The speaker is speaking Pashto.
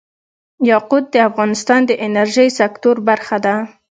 یاقوت د افغانستان د انرژۍ سکتور برخه ده.